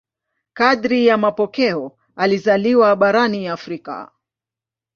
Kadiri ya mapokeo alizaliwa barani Afrika.